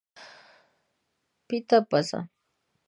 پیته پزه